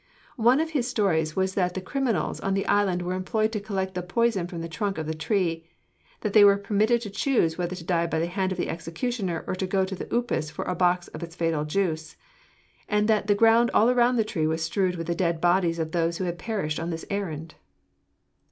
One of his stories was that the criminals on the island were employed to collect the poison from the trunk of the tree; that they were permitted to choose whether to die by the hand of the executioner or to go to the upas for a box of its fatal juice; and that the ground all about the tree was strewed with the dead bodies of those who had perished on this errand."